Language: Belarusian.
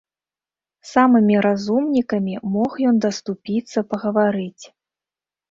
З самымі разумнікамі мог ён даступіцца пагаварыць.